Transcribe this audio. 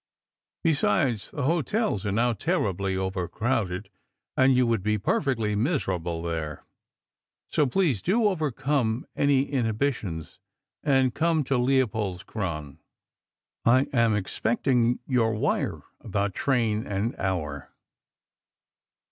Besides, the hotels are now terribly over crowded and you would be perfectly miserable there. So please, do overcome any inhibitions, and come to Leopoldskron! I am expecting your wire about train and hour.